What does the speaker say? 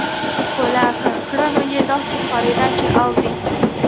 خو له کړنو يې داسې ښکارېده چې اوري.